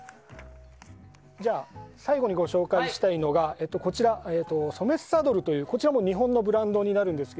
最後にご紹介したいのがソメスサドルという日本のブランドになります。